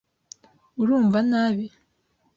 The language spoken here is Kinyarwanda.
Urumva nabi?